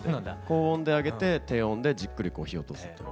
高温で揚げて低温でじっくりこう火を通すというか。